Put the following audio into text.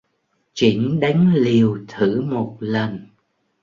Chỉnh đánh liều thử một lần